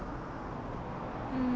うん。